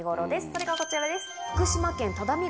それがこちらです。